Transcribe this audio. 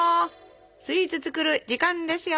スイーツ作る時間ですよ。